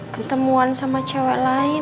ketemuan sama cewek lain